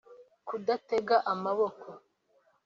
kudatega amaboko